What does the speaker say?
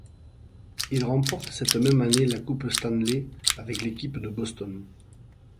Il remporte cette même année la Coupe Stanley avec l'équipe de Boston.